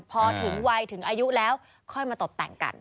พอถึงวัยถึงอายุแล้วค่อยมาตบแต่งกัน